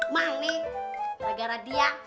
mah nih tak gara dia